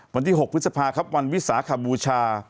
วันที่๖พฤษภาครับวันวิสาขบูชา